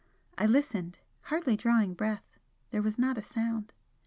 I listened hardly drawing breath there was not a sound.